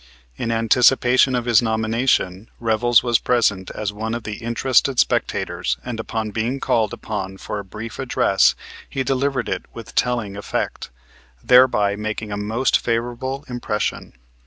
In anticipation of his nomination Revels was present as one of the interested spectators and upon being called upon for a brief address he delivered it with telling effect, thereby making a most favorable impression.